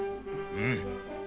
うん。